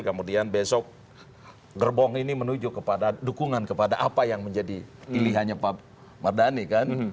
kemudian besok gerbong ini menuju kepada dukungan kepada apa yang menjadi pilihannya pak mardhani kan